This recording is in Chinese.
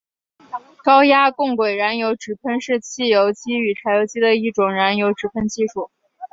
高压共轨燃油直喷是汽油机与柴油机的一种燃油直喷技术。